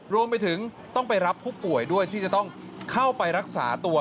รวมไปถึงต้องไปรับผู้ป่วยด้วยที่จะต้องเข้าไปรักษาตัว